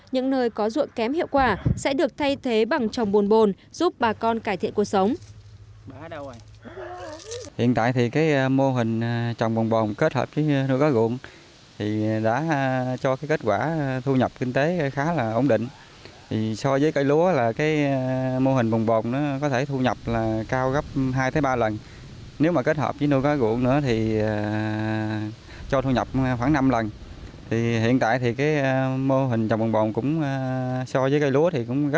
những nơi có ruộng kém hiệu quả sẽ được thay thế bằng trồng bồn bồn giúp bà con cải thiện cuộc sống